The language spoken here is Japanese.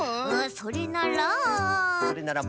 それならば？